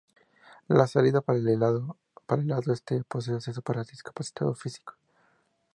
La salida para el lado este posee acceso para discapacitados físicos.